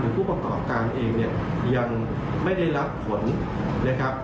ผู้ประกอบการเองเนี่ยยังไม่ได้รับผลนะครับ